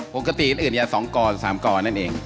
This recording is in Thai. ปกติอื่นอย่างสองกรสามกรนั่นเอง